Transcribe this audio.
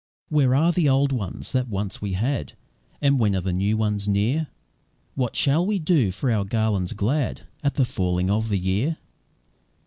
Where are the old ones that once we had, And when are the new ones near? What shall we do for our garlands glad At the falling of the year?"